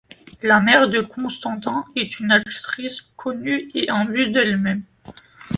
La mère de Konstantin est une actrice connue et imbue d'elle-même.